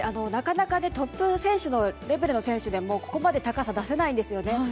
なかなかトップレベルの選手でもここまで高さ出せないんですよね。